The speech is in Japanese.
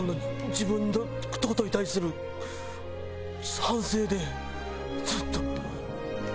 自分の事に対する反省でちょっと。